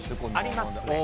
ありますね。